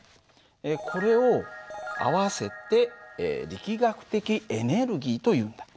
これを合わせて力学的エネルギーというんだ。